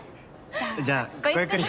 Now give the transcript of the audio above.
じゃあごゆっくり。